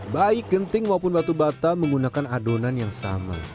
baik genting maupun batu bata menggunakan adonan yang sama